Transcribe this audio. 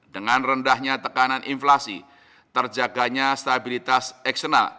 dengan rendahnya tekanan inflasi terjaganya stabilitas eksternal